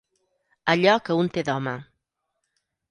Allò que un té d'home.